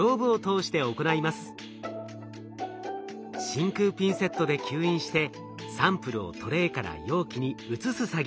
真空ピンセットで吸引してサンプルをトレーから容器に移す作業。